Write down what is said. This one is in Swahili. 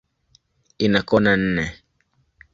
Ina kona nne.